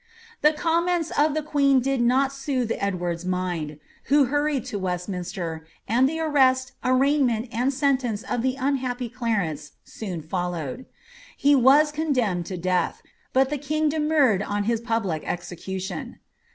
The comments of the queen did not sootlie Edward's mind, who hurried to Westminster, and the arrest, arraign ment, and sentence of the unhappy Clarence soon followed. He was condemned to death, but the king demurred on his public execution.